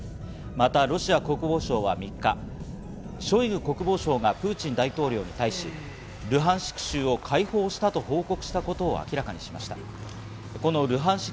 またロシア国防省は３日、ショイグ国防相がプーチン大統領に対し、ルハンシク州を解放したと報告したことを明らかにしました。